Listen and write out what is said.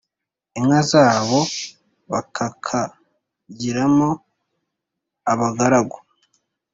inka zabo bakakagiramo abagaragu.